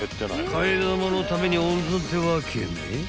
［替玉のために温存ってわけね］